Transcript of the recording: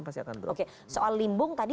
pasti akan drop oke soal limbung tadi